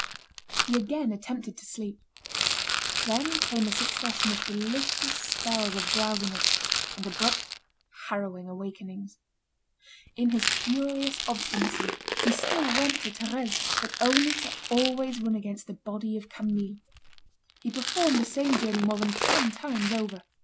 He again attempted to sleep. Then came a succession of delicious spells of drowsiness, and abrupt, harrowing awakenings. In his furious obstinacy, he still went to Thérèse, but only to always run against the body of Camille. He performed the same journey more than ten times over.